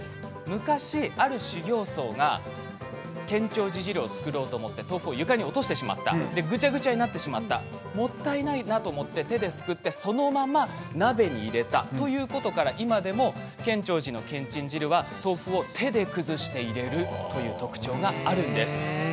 昔ある修行僧が建長寺汁を作ろうと思って豆腐を床に落としてしまった、ぐちゃぐちゃになってしまった、もったいないなと思って手ですくってそのまま鍋に入れたということで今でも建長寺のけんちん汁は豆腐を手で崩して入れるという特徴があるんです。